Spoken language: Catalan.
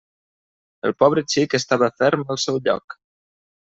El pobre xic estava ferm al seu lloc.